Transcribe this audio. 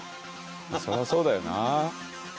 そりゃそうだよな。